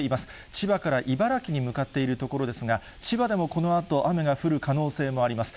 千葉から茨城に向かっているところですが、千葉でもこのあと雨が降る可能性もあります。